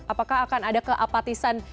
apakah akan ada keapatisan